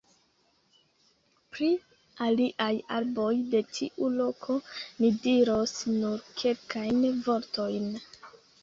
Pri aliaj arboj de tiu loko ni diros nur kelkajn vortojn.